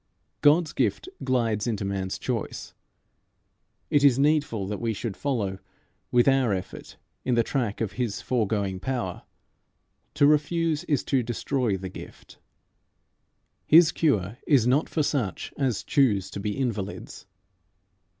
God's gift glides into man's choice. It is needful that we should follow with our effort in the track of his foregoing power. To refuse is to destroy the gift. His cure is not for such as choose to be invalids.